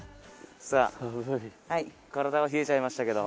さあ体が冷えちゃいましたけど。